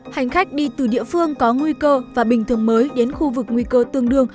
hành khách đi từ địa phương có nguy cơ và bình thường mới đến khu vực nguy cơ tương đương